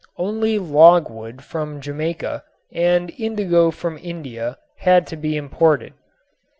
Only logwood from Jamaica and indigo from India had to be imported.